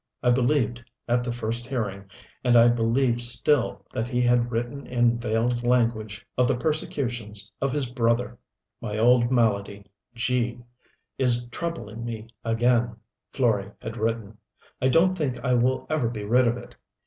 I believed, at the first hearing, and I believed still that he had written in veiled language of the persecutions of his brother: "My old malady, G is troubling me again," Florey had written. "I don't think I will ever be rid of it.